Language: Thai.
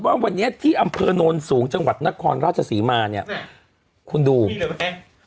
ปรากฏว่าวันนี้ที่อำเภอโนนสูงจังหวัดนครราชศรีมาเนี้ยคุณดูมีเหรอแม่ง